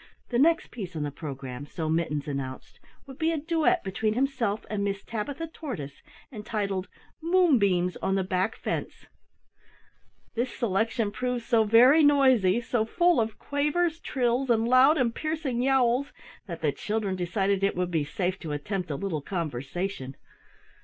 The next piece on the program, so Mittens announced, would be a duet between himself and Miss Tabitha Tortoise, entitled Moonbeams on the Back Fence. This selection proved so very noisy, so full of quavers, trills, and loud and piercing yowls, that the children decided it would be safe to attempt a little conversation.